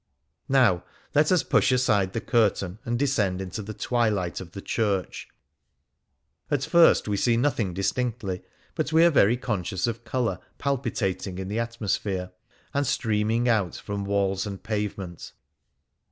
Now let us push aside the curtain and descend into the twilight of the church. At first we see nothing distinctly, but we are conscious of colour palpitating in the atmosphere and streaming out from walls and pavement.